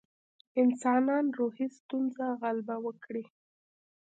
انسانان روحي ستونزو غلبه وکړي.